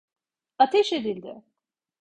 Ateş edildi!